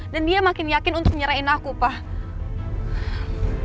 dan dia makin yakin untuk nyerahin aku pak